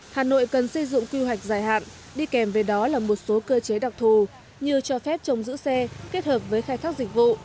hà nội cần xây dựng quy hoạch dài hạn đi kèm với đó là một số cơ chế đặc thù như cho phép trồng giữ xe kết hợp với khai thác dịch vụ